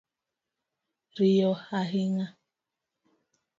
Rieyo ahinga